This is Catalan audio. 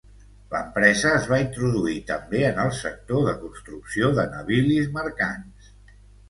L'empresa es va introduir també en el sector de construcció de navilis mercants.